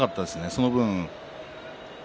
その分、翠